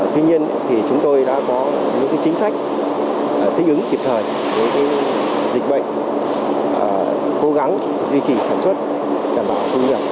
tuy nhiên thì chúng tôi đã có những chính sách thích ứng kịp thời với dịch bệnh cố gắng duy trì sản xuất đảm bảo thu nhập